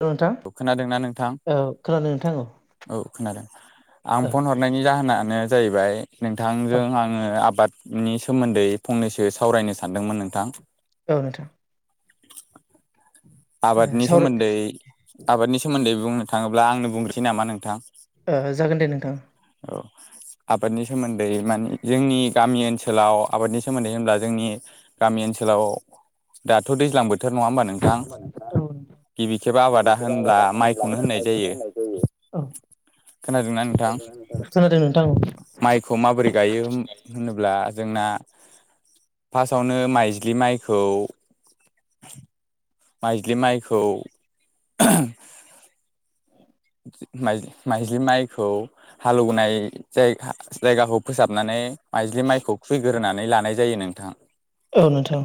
औ नोंथां खोनादोंना नोंथां औ खोनादों नोंथां औ खोनादों आं फन हरनायनि जाहोनानो जाहैबाय औ नोंथांजों आङो आबाद नि सोमोन्दै फंनैसो सावरायनो सानदोंमोन नोंथां औ नोंथां [unintelligible] आबादनि सावराय सोमोन्दै आबादनि सोमोन्दै बुं थाङोब्ला आंनो बुंग्रोसै नामा नोंथां ओजागोन दे नोंथां औ आबादनि सोमोन्दै माने जोंनि गामि ओनसोलाव आबादनि सोमोन्दै होनब्ला जोंनि गामि ओनसोलाव दाथ' दैज्लां बोथोर नङा होमबा नोंथां औ गिबि खेब आबादा होनब्ला माइखौनो होननाय जायो औ खोनादोंना नोंथां खोनादों नोंथां औ माइखौ माबोरै गायो होम होनोब्ला जोंना फासआवनो माइज्लि माइखौ माइज्लि माइखौ माइ-माइज्लि माइखौ हालौवनाय जाय-जायगाखौ फोसाबनानै माइज्लि माइखौ खुैग्रोनानै लानाय जायो नोंथां। औ नोंथां।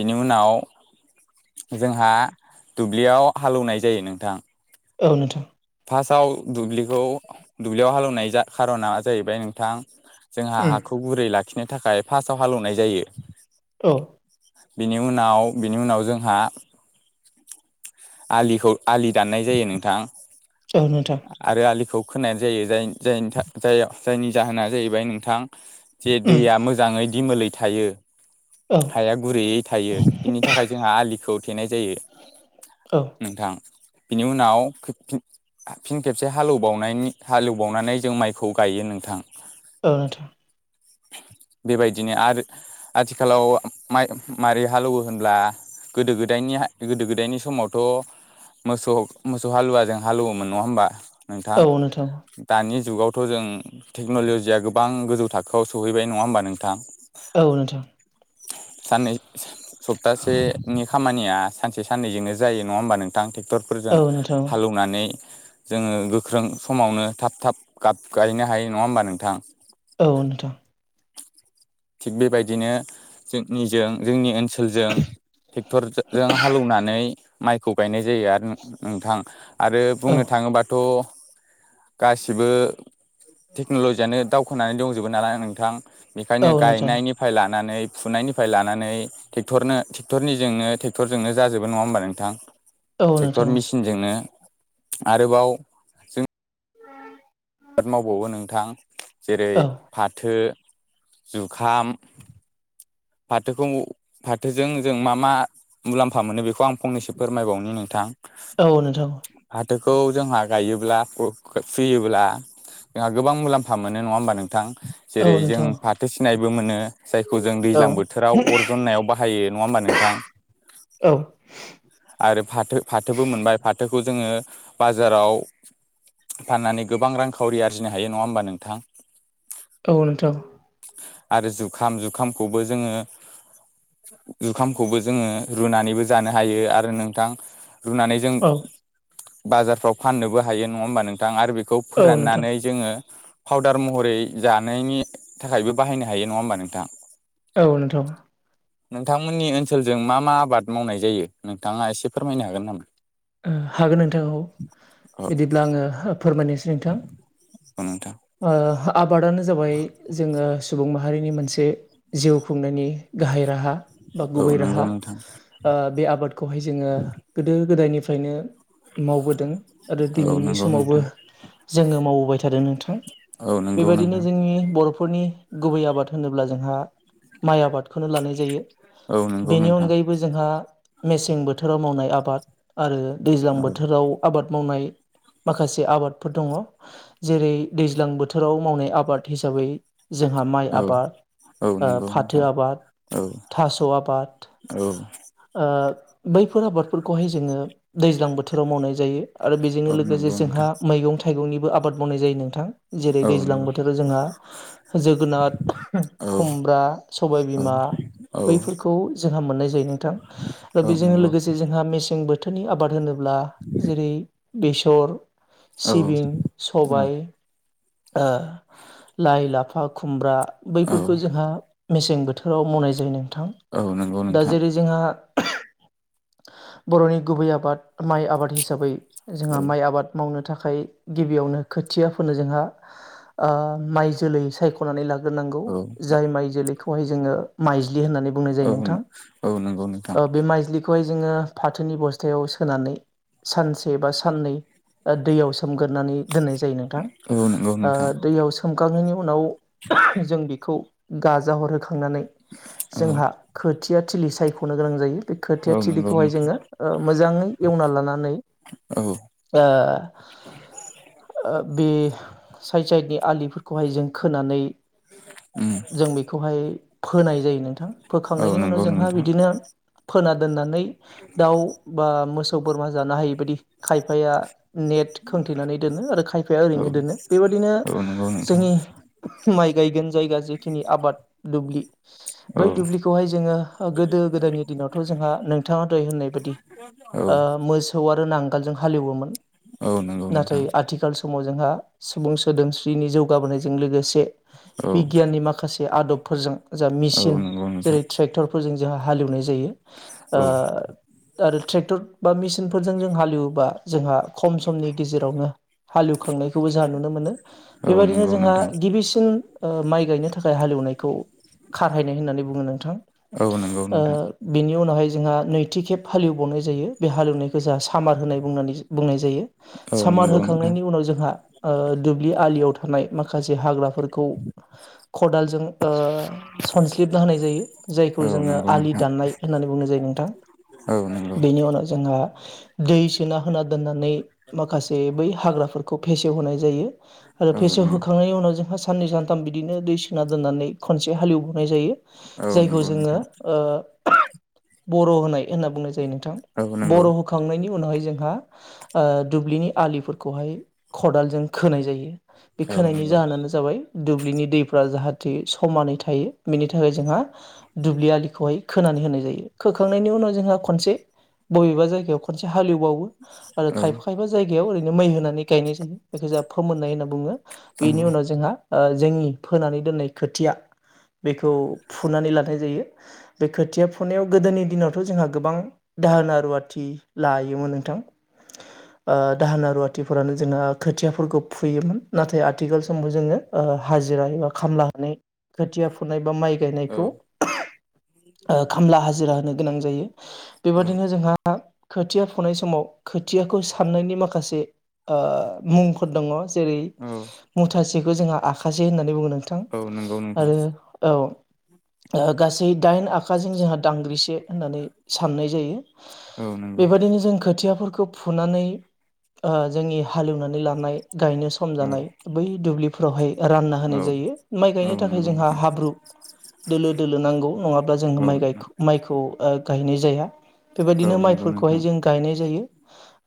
बिनि उनाव जोंहा दुब्लियाव हालौनाय जायो नोंथां। औ नोंथां। फासाव दुब्लिखौ दुब्लियाव हालौवनाय जा खार'ना जाहैबाय नोंथां जोंहा औ हाखौ गुरै लाखिनो थाखाय फासाव हालौवनाय जायो। बिनि उनाव बिनि उनाव जोंहा आलिखौ आलि दाननाय जायो नोंथां औ नोंथां औ आरो आलिखौ खोनाय जायो जायनि जायनि था जाया जायनि जाहोना जाहैबाय नोंथां जे दैया मोजाङै दिमोलै थायो। औ हाया गुरैयै थायो बिनि थाखाय जोंहा आलिखौ थेनाय जायो। औ नोंथां बिनि उनाव [unintelligible] फिन खेबसे हालौबावनायनि हालौबावनानै जों माइखौ गायो नोंथां। औ नोंथा। [unintelligible] बेबायदिनो आरो आथिखालाव माइ मारै हालौवो होनब्ला गोदो गोदायनि हा गोदो गोदायनि समावथ' मोसौ मोसौ हालुवाजों हालुवोमोन नङा होमबा? नोंथां दानि जुगावथ' जों टेक्न'ल'जिया गोबां गोजौ थाखोआव सहैबाय नङा होमबा नोंथां। औ नोंथां। साननै सप्तासेनि खामानिया सानसे साननैजोंनो जायो नङा होमबा नोंथां टेक्टरफोरजों औ नोंथां हालौनानै जोङो गोख्रों समावनो थाब थाब गाब गायनो हायो नङा होमबा नोंथां? औ नोंथां। थिग बेबायदिनो जोंनिजों जोंनि ओनसो लजों टेक्टरजो जों हालौनानै माइखौ गायनाय जायो आरो नो-नोंथां आरो औ बुंनो थाङोबाथ' गासिबो टेक्न'लजियानो दावखोनानै दंजोबो नालाय नोंथां। औ बेखायनो नोंथां गायनायनिफ्राय लानानै फुनायनिफ्राय लानानै टेक्टरनो टेक्टरनिजोंनो ट्रेक्टरजोंनो जाजोबो नङा होमबा नोंथां? औ नोंथां टेक्टर मेसिनजोंनो आरोबाव जों आबाद मावबावो नोंथां जेरै औ फाथो, जुखाम, फाथोखौ फाथोजों जों मा मा मुलाम्फा मोनो बेखौ आं फंनैसो फोरमायबावनि नोंथां औ नोंथां फाथो खौ जोंहा गायोब्ला फुर फियोब्ला जोंहा गोबां मुलाम्फा मोनो नङा होमबा नोंथां। औ जेरै जों नोंथां फाथो सिनायबो मोनो जायखौ जों दैज्लां औ बोथोराव अर जन्नायाव बाहायो नङा होमबा नोंथां? औ आरो फाथो-फाथोबो मोनबाय फाथोखौ जोङो बाजाराव फाननानै गोबां रांखावरि आरजिनो हायो नङा होमबा नोंथां? औ नोंथां। आरो जुखाम जुखामखौबो जोङो जुखामखौबो जोङो रुनानैबो जानो हायो आरो नोंथां रुनानै जों औ बाजारफ्राव फाननोबो हायो नङा होमबा नोंथां आरो बे खौ औ नोंथां फोराननानै जोङो पाउदार महरै जानायनि थाखायबो बाहायनो हायो नङा होमबा नोंथां? औ नोंथां। नोंथांमोननि ओनसोलजों मा मा आबाद मावनाय जायो नोंथाङा एसे फोरमायनो हागोन नामा? हागोन नोंथांखौ औ बिदिब्ला आङो फोरमायनोसै। नोंथां औ नोंथां ओ आबादानो जाबाय जोंङो सुबुं माहारिनि मोनसे जिउ खुंनायनि गाहाय राहा। बा औ गुबै नंगौ राहा नोंथां बे आबादखौहाय जोङो गोदो गोदायनिफ्राय फ्रायनो मावबोदों आरो औ दिनैनि नंगौ समावबो नोंथां जोङो मावबोबाय थादों नोंथां औ नंगौ बेबायदिनो नोंथां जोंनि बर' फोरनि गुबै आबाद होनोब्ला जोंहा माइ आबादखौनो लानाय जायो। औ नंगौ बेनि नोंथां अनगायैबो जोंहा मेसें बोथोराव मावनाय आबाद आरो दैज्लां औ बोथोराव आबाद मावनाय माखासे आबादफोर दङ। जेरै दैज्लां बोथोराव मावनाय आबाद हिसाबै जोंहा माइ औ आबाद औ आ नंगौ फाथो नोंथां आबाद औ थास' आबाद औ ओ बैफोर आबादफोरखौहाय जोङो दैज्लां बोथोराव मावनाय जायो। आरो बेजोंनो औ लोगोसे नंगौ नोंथां जोंहा मैगं थाइगंनिबो आबाद मावनाय जायो नोंथां। जेरै औ दैज्लां नंगौ बोथोराव जोंहा जोगोनाथ औ खुमब्रा औ सबायबिमा। औ बैफोरखौ जोंहा मोननाय जायो नोंथां औ बेजों नंगौ लोगोसे जोंहा मेसें बोथोरनि आबाद होनो ब्ला जेरै बेसर औ सिबिं सबाय ओ लाइ लाफा खुमब्रा औ बैफोरखौ जोंहा मेसें बोथोराव मावनाय जायो नोंथां। औ नंगौ दा नोंथां जेरै जोंहा बर'नि गुबै आबाद माइ आबाद हिसाबै जोंहा औ माइ आबाद मावनो थाख खाय गिबियावनो खोथियाफोनो जोंहा आ माइ जोलै सायख'नानै ला गोनांगौ औ जाय माइ जोलैखौहाय जोङो माइ ज्लि होननानै बुंनाय जायो औ नोंथां। औ नंगौ नोंथां ओ बे माइज्लि खौहाय जोंङो फाथोनि बथायाव सोनानै सानसे बा साननै दैयाव सो गोरनानै दोन्नाय जायो नोंथां। औ नंगौ ओ नोंथां दैयाव सोम गांनायनि उनाव जों बेखौ गाजा हरो खांनानै औ जोंहा खोथिया थिलि सायख'नो गोनां जायो। बे खोथिया औ नंगौ थिलिखौहाय नोंथां जोङो मोजाङै एवना लानानै औ आ ओ बे साइड साइडनि आलिफोरखौहाय जों खोनानै [inaudible] जों बेखौहाय फोनाय जायो नोंथां। औ फोखांनायनि उनाव नंगौ जोंहा नोंथां बिदिनो फोना दोननानै दाउ बा मोसौ बोरमा जानो हायैबादि खायफाया नेट खोंथेनानै दोनो आरो खायफाया औ ओरैनो दोनो बेबायादिनो औ नंगौ नोंथां जोंनि माइ गायगोन जायगा जेखिनि आबाद दुब्लि औ बै दुब्लिखौहाय जोङो गो दो गोदोयनि दिनावथ' जोंहा नोंथाङा दहाय होननाय ओ बायदि औ मोसौ आरो नांगालजों हालएवोमोन औ नंगौ नोंथां नाथाय आथिखाल समाव जोंहा सुबुं सोदोम नि जौगाबोनायजों लोगोसे औ बिगियाननि माखासे आदबफोरजों जा औ मेसिन नंगौ नोंथां जेरै ट्रेक्टरफोरजों जोंहा हालेवनाय जायो। औ ओ आरो ट्रेक्टर बा मेसिनफोरजों जों हालेवोबा जोंहा खम समनि गेजेरावनो हालेवखांनायखौबो जोंहा नुनो मोनो। औ बेबायदिनो नंगौ जोंहा नोंथां गिबिसिन ओ माइ गायनो थाखाय हालेवनायखौ खारहायनाय होननानै बुङो नोंथां। आ औ नंगौ नोंथां बेनि उनावहाय जोंहा नैथि खेब हालेवबावनाय जायो। बे हालेवनायखौ जोंहा सामार होनाय बुंनानै बुंनाय जायो। औ सामार नंगौ नोंथां होखांनायनि उनाव जोंहा ओ दुब्लि आलियाव थानाय माखासे हाग्राफोरखौ खदालजों ओ सनस्लिबना होनाय जायो। जायखौ औ जोङो नंगौ आलि नोंथां दाननाय होननानै बुंनाय जायो नोंथां। औ नंगौ बेनि उनाव जोंहा दै सोना होना दोननानै माखासे बै हाग्राफोरखौ फेसेवहोनाय जायो। आरोे औ नंगौ फेसेवहोखांनायनि उनाव जों साननै सानथाम बिदिनो दै सोना दोननानै खनसे हालेवो जायो औ जायखौ नंगौ जोङो नोंथां ओ बर' होनाय होनना बुंनाय जायोनो। थां औ नंगौ बर' होखांनायनि उनावहाय जोंहा ओ दुब्लिनि आलिफोरखौहाय खदालजों खोनाय जायो। बे औ खोनायनि नंगौ जाहोनानो जाबाय दुब्लिनि दैफ्रा जाहाथे समानै थायो बेनि थाखाय जोंहा दुब्लि आलिखौहाय खोना नै होनाय जायो खोखांनायनि उनाव जोंहा खनसे बबेबा जायगायाव खनसे हालेवबावो आरो औ खायफा खायफा जाय गायाव ओरैनो मै होनानै गायनाय जायो बेखौ जोंहा फोमोन्नाय होनना बुङो औ बेनि उनाव जोंहा ओ जोंनि फोनानै दोननाय खोथिया बेखौ फुनानै लानाय जायो बे खोथिया फुनायाव गोदोनि दिनाव थ' जोंहा गोबां दाहोना रुवाथि लायोमोन नोंथां। [inaudible] ओ दाहोना रुवाथिफोरानो जोंहा खोथियाफोरखौ फुयोमोन नाथाय आथिखाल समाव जोङो ओ हाजिरा एबा खामला होनानै खोथिया फुनाय बा माइ गायनायखौ ओ खामला हाजिरा होनो। गोनां जायो बेबायादिनो जोंहा खोथिया फुनाय समाव खोथियाखौ साननायनि माखासे ओ मुंफोर दङ जेरै औ मुथासेखौ जोंहा आखासे होननानै बुंङो नों थां औ नंगौ नोंथां आरो औ। ओ गासै दाइन आखाजों जोंहा दांग्रिसे होननानै साननाय जायो औ नंगौ बेबायदिनो जों खोथियाफोर खो फुनानै ओ जोंनि हालेवनानै लानाय गायनो सम औ जानाय बै दुब्लिफोरावहाय रानना होनाय औ जायो माइ औ गायनो नंगौ थाखाय जोंहा नोंथां हाब्रु दोलो -दोलो नांगौ नङाब्ला जोंनो औ माइ गाय औ माइखौ ओ गायनाय जाया बेबायदिनो नंगौ नोंथां माइफोरखौहाय जों गायनाय जायो।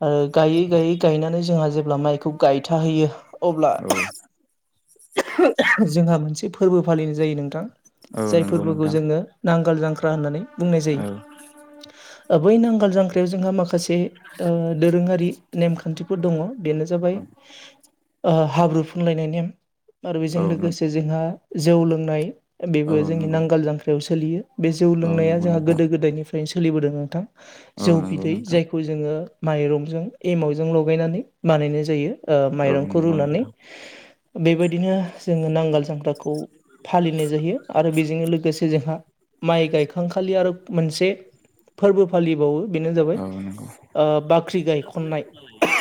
ओ गायै -गायै गायनानै जोंहा जेब्ला माइखौ गायथाहैयो अब्ला औ जोंहा मोनसे फोरबो फालिनाय जायो नोंथां औ जाय नंगौ फोरबोखौ नोंथां जोङो नांगाल जांख्रा होननानै बुंनाय जायो। औ बै नांगाल जांख्रायाव जोंहा माखासे दोरोङारि ओ नेमखान्थिफोर दङ। बेनो औ जाबाय ओ हाब्रुफुंलायनाय नेम आरो बेजों औ लोगोसे जोंहा जौ लोंनाय बेबो औ जोंनि नंगौ नांगाल जांख्रायाव सोलियो बे जौ औ लोंनाया नंगौ जोंहा नोंथां गोदो निफ्रायनो सोलिबोदों नोंथां औ जौ नंगौ बिदै नोंथां जायखौ जोङो माइरंजों एमावजों लगायनानै बानायनाय जायो ओ औ माइरंखौ नंगौ रुनानै नोंथां बेबायदिनो जोङो नांगोल जांग्राखौ फालिनाय जायो आरो बेजोंनो लोगोसे जोंहा माइ गायखांखालि आरो मोनसे फोरबो फालिबावो बेनो जाबाय औ नंगौ ओ बाख्रि गाय खननाय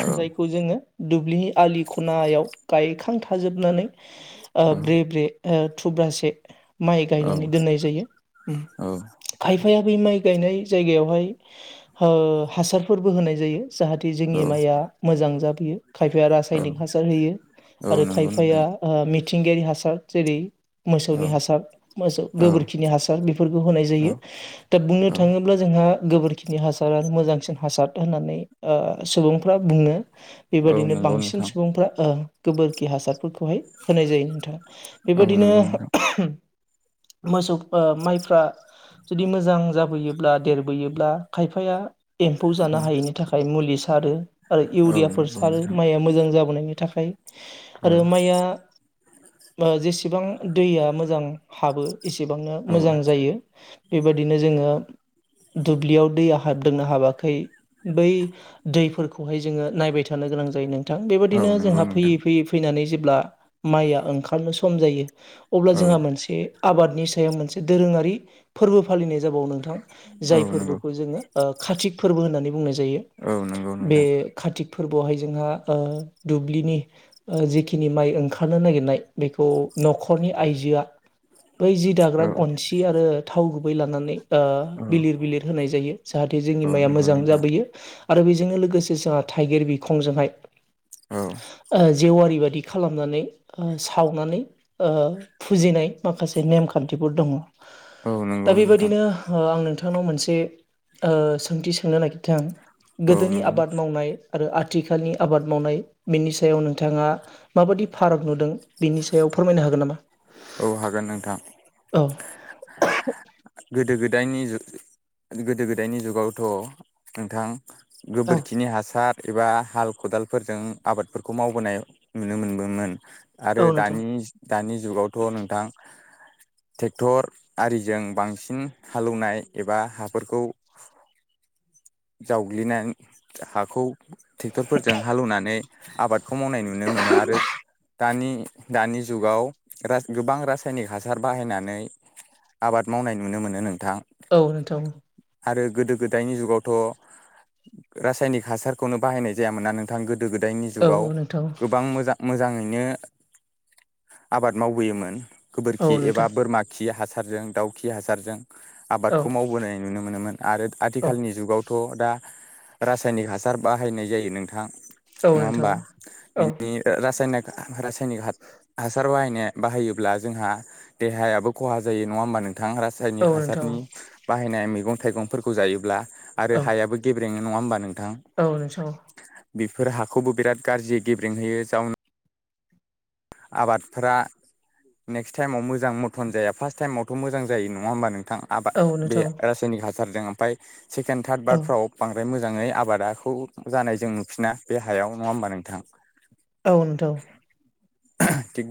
औ जायखौ जोङो दुब्लि आलि खनायाव गायखां थाजोबनानै ओ औ ब्रे- ब्रे ओ थुब्रासे माइ गायनानै औ दोननाय जायो उम खायफाया बेै माइ गायनाय जायगायावहाय हो हासारफोरबो होनाय जायो। जाहाथे जोंनि माइया मोजां जाबोयो। खायफाया औ रासायनिक हासार होयो औ आरो नंगौ खायफाया नोंथां ओ मिथिंगायारि हासार जेरै औ मोसौनि हासार मोसौ औ गोबोरखिनि हासार बेफोरखौ होनाय औ जायो। दा बुंनो थाङोब्ला जोंहा गोबोरखिनि हासारा मोजांसिन हासार होननानै ओ सुबुंफ्रा बुंङो। औ बेबायदिनो नंगौ बांसिन नोंथां सुबुंफ्रा ओ गोबोरखि हासारफोरखौ हाय होनाय जायो नोंथां औ बेबादिनो नंगौ नोंथां मोसौ फा माइफ्रा जुदि मोजां जाबोयोब्ला देरबोयोब्ला खायफाया एम्फौ जानो हायिनि थाखाय मुलि सारो आरो औ इउरियाफोर नंगौ सारो नोंथां माइया मोजां जाबोनाय नि थाखाय औ आरो माइया ओ जेसेबां दैया मोजां हाबो एसेबांनो औ मोजां जायो। बेबायदिनो जोङो दुब्लियाव दैया हाबदोंनो हाबाखै बै दैफोरखौहाय जोङो नायबाय थानो गोनां जायो नों थां औ बेबादिनो नंगौ जोंहा नोंथां फैयै फैयै फैनानै जेब्ला माइया ओंखारनो सम जायो अब्ला औ जोंहा मोनसे आबादनि सायाव मोनसे दोरोङारि फोरबो फालिनाय जाबावनो [unintelligible] जाय औ नंगौ फोरबोखौ जोङो ओ खातिक फोरबो होननानै बुंनाय जायो औ नंगौ बे नोंथां खाथिक फोरबोआवहाय जोंहा ओ दुब्लिनि ओ जेखिनि माइ ओंखारनो नागिरनाय बेखौ न'खरनि आइजोआ [unintelligible] बै जि दाग्रा औ गनसि आरो थाव गुबै लानानै आ औ बिलिर बिलिर होनाय जायो जाहाथे जोंनि औ माइया नंगौ मोजां नोंथां जाबोयो। आरो बेजोंनो लोगोसे जाह थाइगिर बिखंजोंहाय औ आ जेवारि बायदि बिदि खालामनानै आ सावनानै ओ फुजिनाय माखासे नेमखान्थिफोर दङ। औ दा नंगौ नोंथां बेबायदिनो हा आं नों थांनाव मोनसे ओ सोंथि सोंनो नागिरदों औ गोदोनि नंगौ आबाद मावनाय आरो आथिखालनि आबाद मावनाय बेनि सायाव नोंथाङा माबादि फाराग नुदों? बिनि सायाव फोरमायनो हागोन नामा? औ हागोन नोंथां औ गोदो गोदायनि जु- गोदो गोदायनि जुगावथ' नोंथां औ गोबोरखिनि हासार एबा हाल खदालफोरजों आबादफोरखौ मावबोनाय नुनो मोनबोमोन। आरो औ नोंथां दानि दानि जुगावथ' नोंथां थेकतआरिजों बां सिन हालेवनाय एबा हाफोरखौ जावग्लिनान हाखौ थेक्टरफोरजों हालौवनानै आबादखौ मावनाय नुनो मोनो आरो। दानि दानि जुगाव रास गोबां रासायनिक हासार बाहायनानै आबाद मावनाय नुनो मोनो नोंथां। औ नोंथां आरो गोदो गोदायनि जुगावथ' रासायनिक हासारखौनो बाहायनाय जायामोनना नोंथां गो गोदो गोदायनि औ जुगाव नोंथां गोबां मोजा मोजाङै नो [unintelligible] आबाद मावबोयोमोन औ गोबोरखि एबा नोंथां बोरमाखि हास रजों दाउखि हासारजों औ आबादखौ मावबोनाय नुनो मोनोमोन आरो औ आथिखालनि जुगाव दा रासायनिक हासार बाहायनाय जायो नोंथां। औ नङा नोंथां हमबा? औ बिनि रासायनिक रासायनिक हा- हासार [unintelligible] बाहायोब्ला जोंहा देहायाबो खहा जायो नङा होमबा नों थां औ रासायनिक नोंथां हासारनि बाहायनाय मैगं थाइगंफोरखौ जायोब्ला आरो औ हायाबो गेब्रेङो नङा होनबा नों औ नों [unintelligible] बेफोर हाखौबो बिराद गाज्रि गेब्रेंहैयो जावन आबादफ्रा नेक्स्ट टाइमाव मोजां मथन जाया फार्स्ट टाइमावथ' मोज जायोङा होमब नों थां आबाद औ बे नोंथां रासायनिक हासारजों ओमफ्राय सेकेण्ड थार्ड औ बारफ्राव बांद्राय मोजां मोजाङै आबादाखौ जानाय जों नुफिना। बे हायाव नङा होमबा नोंथां? औ नोंथां [inaudible] थिग बे